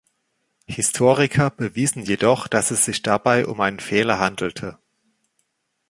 Historiker bewiesen jedoch, dass es sich dabei um einen Fehler handelte.